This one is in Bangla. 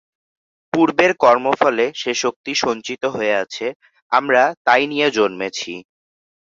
পূর্বের কর্মফলে সে শক্তি সঞ্চিত হয়ে আছে, আমরা তাই নিয়ে জন্মেছি।